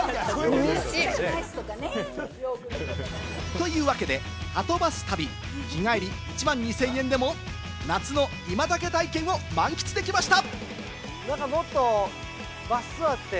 というわけで、はとバス旅、日帰り１万２０００円でも夏の今だけ体験を満喫できました。